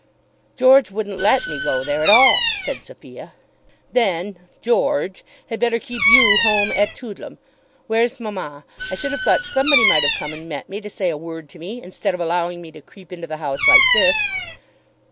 "George wouldn't let me go there at all," said Sophia. "Then George had better keep you at home at Toodlam. Where's mamma? I should have thought somebody might have come and met me to say a word to me, instead of allowing me to creep into the house like this."